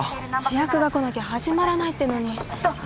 主役が来なきゃ始まらないってのに。